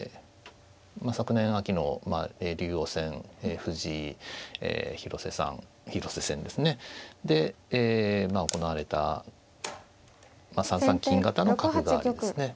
昨年秋の竜王戦藤井広瀬戦ですねでまあ行われた３三金型の角換わりですね。